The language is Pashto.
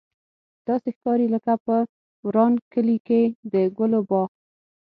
داسې ښکاري لکه په وران کلي کې د ګلو باغ.